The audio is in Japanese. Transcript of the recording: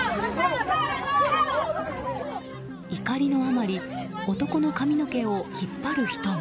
怒りのあまり男の髪の毛を引っ張る人も。